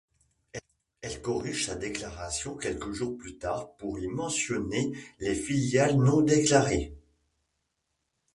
Elle corrige sa déclaration quelques jours plus tard pour y mentionner les filiales non-déclarées.